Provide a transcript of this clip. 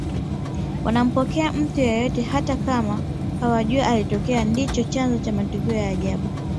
wanampokea mtu yeyote hata kama hawajui alikotokea ndicho chanzo cha matukio ya ajabu